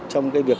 trong cái việc